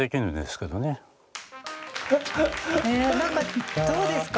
何かどうですか？